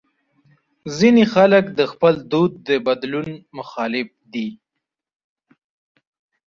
ځینې خلک د خپل دود د بدلون مخالف دي.